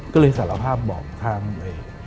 ก็เลยสารภาพบอกทาง